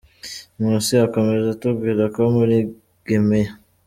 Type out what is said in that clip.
Nkusi akomeza atubwira ko muri gemeya.